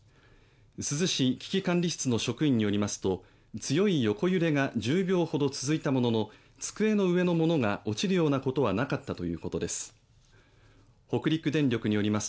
珠洲市危機管理室の職員によりますと強い横揺れが１０秒ほど続いたものの机の上のものが落ちるようなことはなかったということです。